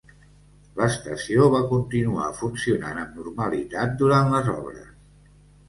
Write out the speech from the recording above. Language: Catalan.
L'estació va continuar funcionant amb normalitat durant les obres.